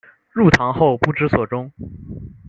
入唐后不知所终。